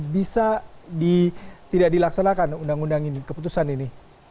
bisa tidak dilaksanakan undang undang ini keputusan ini